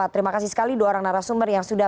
terima kasih sekali dua orang narasumber yang sudah